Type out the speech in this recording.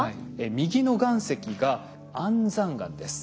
右の岩石が安山岩です。